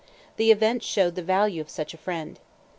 The event showed the value of such a friend.